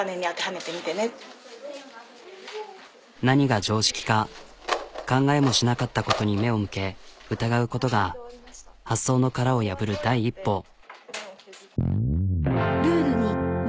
何が常識か考えもしなかったことに目を向け疑うことが発想の殻を破る第一歩。